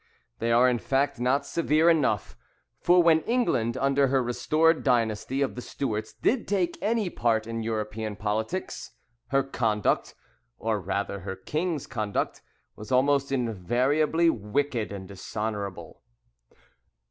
They are, in fact, not severe enough: for when England, under her restored dynasty of the Stuarts, did take any part in European politics, her conduct, or rather her king's conduct, was almost invariably wicked and dishonourable.